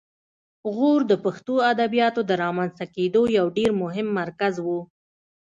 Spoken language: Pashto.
غور د پښتو ادبیاتو د رامنځته کیدو یو ډېر مهم مرکز و